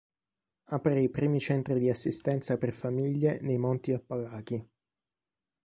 Aprì i primi centri di assistenza per famiglie nei monti Appalachi.